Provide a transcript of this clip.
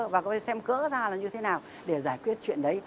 và có thể xem cỡ ra là như thế nào để giải quyết chuyện đấy